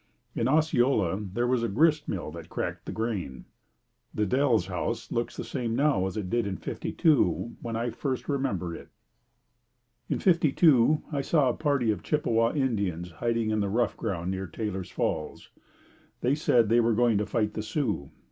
In Osceola there was a grist mill that cracked the grain. The Delles House looks the same now as it did in '52 when I first remember it. In '52 I saw a party of Chippewa Indians hiding in the rough ground near Taylor's Falls. They said they were going to fight the Sioux.